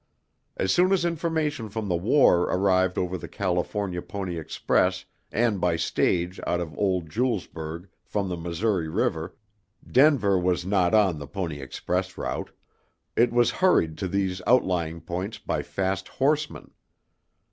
As soon as information from the War arrived over the California Pony Express and by stage out of old Julesburg from the Missouri River Denver was not on the Pony Express route it was hurried to these outlying points by fast horsemen.